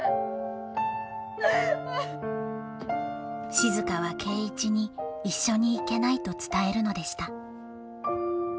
静は圭一に一緒に行けないと伝えるのでした。